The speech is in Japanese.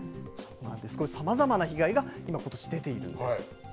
さまざまな被害が今、ことし出ているんです。